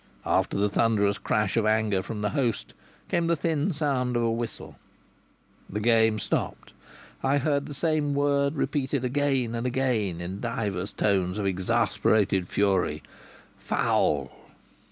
After the thunderous crash of anger from the host came the thin sound of a whistle. The game stopped. I heard the same word repeated again and again, in divers tones of exasperated fury: "Foul!"